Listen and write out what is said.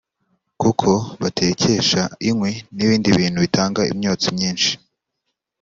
kuko batekesha inkwi n’ibindi bintu bitanga imyotsi myinshi